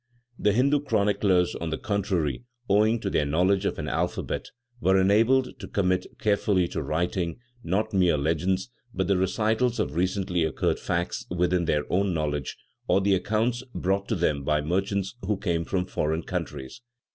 The Hindu chroniclers, on the contrary, owing to their knowledge of an alphabet, were enabled to commit carefully to writing, not mere legends, but the recitals of recently occurred facts within their own knowledge, or the accounts brought to them by merchants who came from foreign countries.